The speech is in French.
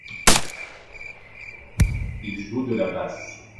Il joue de la basse.